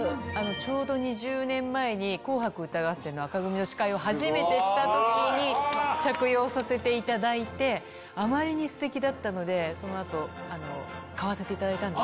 ちょうど２０年前に『紅白歌合戦』の紅組の司会を初めてした時に着用させていただいてあまりにステキだったのでその後買わせていただいたんです。